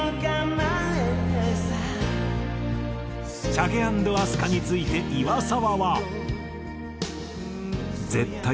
ＣＨＡＧＥａｎｄＡＳＫＡについて岩沢は。